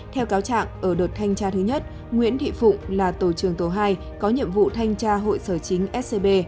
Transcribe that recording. theo cáo trạng ở đợt thanh tra thứ nhất nguyễn thị phụng là tổ trường tổ hai có nhiệm vụ thanh tra hội sở chính scb